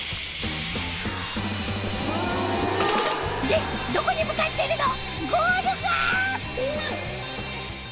でどこに向かってるの？